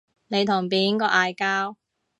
你同邊個嗌交